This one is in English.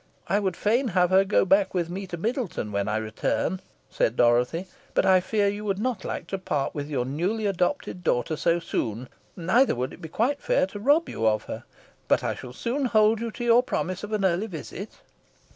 "I would fain have her go back with me to Middleton when I return," said Dorothy, "but I fear you would not like to part with your newly adopted daughter so soon; neither would it be quite fair to rob you of her. But I shall hold you to your promise of an early visit."